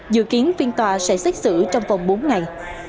dự kiến phiên tòa sẽ xét xử trong vòng bốn ngày